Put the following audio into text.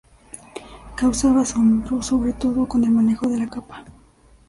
Causaba asombro sobre todo con el manejo de la capa.